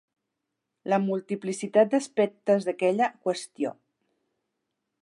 La multiplicitat d'aspectes d'aquella qüestió.